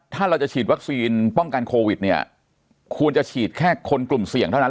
ถ้าเราจะฉีดวัคซีนป้องกันโควิดเนี่ยควรจะฉีดแค่คนกลุ่มเสี่ยงเท่านั้น